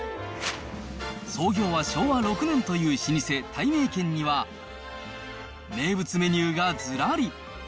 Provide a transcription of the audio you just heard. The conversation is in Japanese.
創業は昭和６年という老舗、たいめいけんには、名物メニューがずらり。